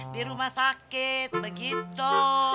di rumah sakit begitu